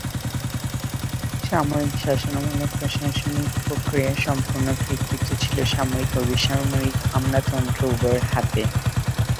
সামরিক শাসনামলে প্রশাসনিক প্রক্রিয়ায় সম্পূর্ণ কর্তৃত্ব ছিল সামরিক ও বেসামরিক আমলাতন্ত্র উভয়ের হাতে।